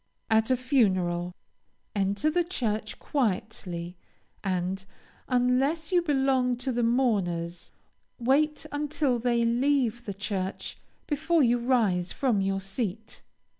At a funeral, enter the church quietly, and, unless you belong to the mourners, wait until they leave the church before you rise from your seat.